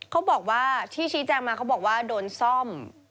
เขาบอกว่าที่ชี้แจงมาเขาบอกว่าโดนซ่อม